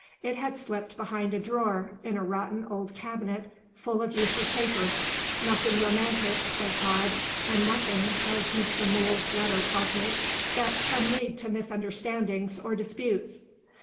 It had slipped behind a drawer, in a rotten old cabinet, full of useless papers. Nothing romantic (thank God!), and nothing (as Mr. Mool's letter tells me) that can lead to misunderstandings or disputes."